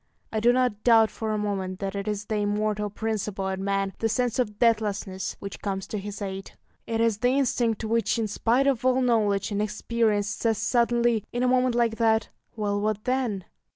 I do not doubt for a moment that it is the immortal principle in man, the sense of deathlessness, which comes to his aid. It is the instinct which, in spite of all knowledge and experience, says suddenly, in a moment like that, "Well, what then?"